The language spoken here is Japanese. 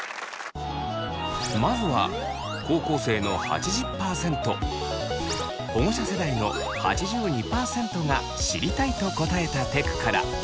まずは高校生の８０％保護者世代の８２％が「知りたい」と答えたテクから。